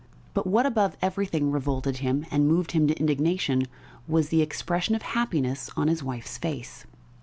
But what above everything revolted him and moved him to indignation was the expression of happiness on his wife's face.